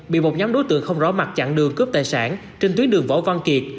bị một nhóm đối tượng không rõ mặt chặn đường cướp tài sản trên tuyến đường võ văn kiệt